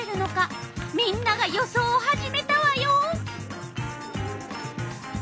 みんなが予想を始めたわよ！